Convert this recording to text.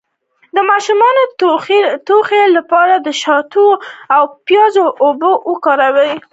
د ماشوم د ټوخي لپاره د شاتو او پیاز اوبه وکاروئ